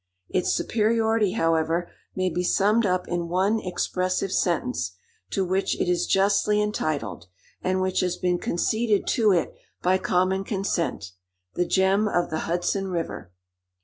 Its superiority, however, may be summed up in one expressive sentence, to which it is justly entitled, and which has been conceded to it by common consent—"The Gem of the Hudson River."